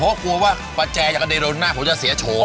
เพราะกลัวว่าประแจจะกระเด็นหน้าผมจะเสียโฉน